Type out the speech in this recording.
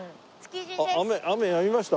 あっ雨やみました？